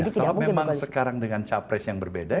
kalau memang sekarang dengan capres yang berbeda